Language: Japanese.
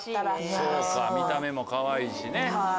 そうか見た目もかわいいしね。